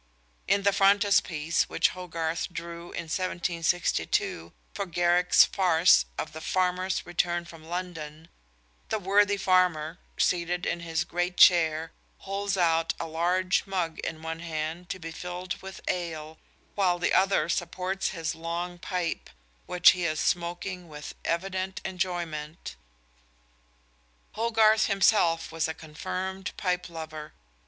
In the frontispiece which Hogarth drew in 1762 for Garrick's farce of "The Farmer's Return from London," the worthy farmer, seated in his great chair, holds out a large mug in one hand to be filled with ale, while the other supports his long pipe, which he is smoking with evident enjoyment. Hogarth himself was a confirmed pipe lover.